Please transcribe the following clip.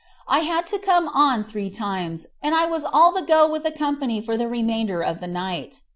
I had to come on three times, and I was all the go with the company for the remainder of the night.